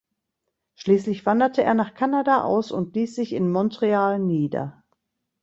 Schließlich wanderte er nach Kanada aus und ließ sich in Montreal nieder.